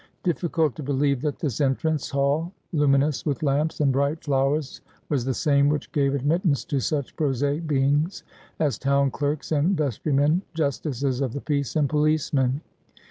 Difficult to believe that this entrance hall, lumin ous with lamps and bright flowers, was the same which gave admittance to such prosaic beings as town clerks and vestrymen, justices of the peace and policemen.